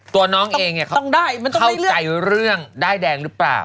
ตัวน้องเองเข้าใจเรื่องได้แดงรึเปล่า